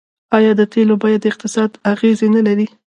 آیا د تیلو بیه په اقتصاد اغیز نلري؟